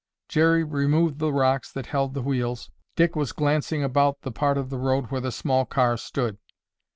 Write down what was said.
Jerry removed the rocks that held the wheels. Dick was glancing about the part of the road where the small car stood.